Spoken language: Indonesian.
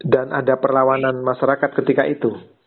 dan ada perlawanan masyarakat ketika itu